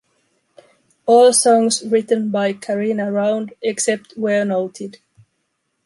All songs written by Carina Round, except where noted.